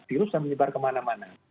virus yang menyebar kemana mana